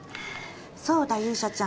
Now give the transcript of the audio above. そうだ勇者ちゃん